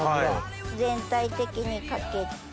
全体的にかけて。